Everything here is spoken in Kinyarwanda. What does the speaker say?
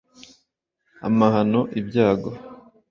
amahano: ibyago